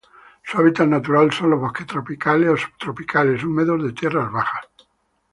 Su hábitat natural son los bosques tropicales o subtropicales húmedos de tierras bajas.